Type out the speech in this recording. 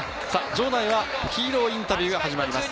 場内はヒーローインタビューが始まります。